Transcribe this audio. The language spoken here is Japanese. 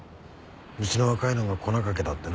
うちの若いのが粉かけたってな。